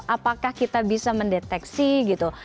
apakah kita bisa mendeteksi gitu